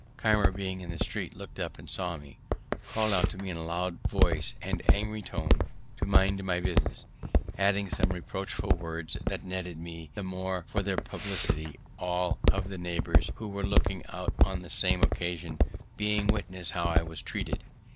Keimer, being in the street, look'd up and saw me, call'd out to me in a loud voice and angry tone to mind my business, adding some reproachful words, that nettled me the more for their publicity, all the neighbours who were looking out on the same occasion being witnesses how I was treated.